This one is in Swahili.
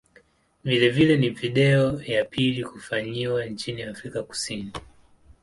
Vilevile ni video ya pili kufanyiwa nchini Afrika Kusini.